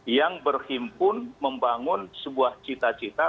yang berhimpun membangun sebuah cita cita